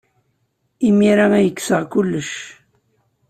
Imir-a ay kkseɣ kullec.